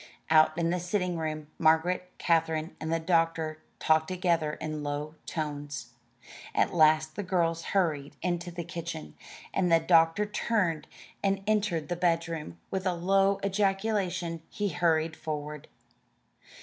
Out in the sitting room, Margaret, Katherine, and the doctor talked together in low tones. At last the girls hurried into the kitchen, and the doctor turned and entered the bedroom. With a low ejaculation he hurried forward.